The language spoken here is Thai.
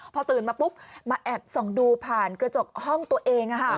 พอตื่นมาปุ๊บมาแอบส่องดูผ่านกระจกห้องตัวเอง